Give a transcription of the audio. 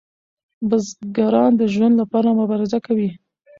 بزګران د ژوند لپاره مبارزه کوي.